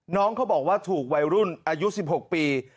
น้องเขาบอกว่าถูกวัยรุ่นอายุ๑๖ปี